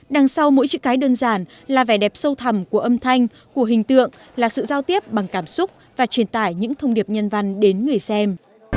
đằng sau mỗi chữ cái đơn giản là vẻ đẹp sâu thầm của âm thanh của hình tượng là sự giao tiếp bằng cảm xúc và truyền tải những thông điệp nhân văn đến người xem